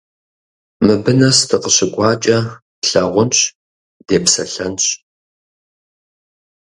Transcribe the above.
Мыбы нэс дыкъыщыкӀуакӀэ тлъагъунщ, депсэлъэнщ.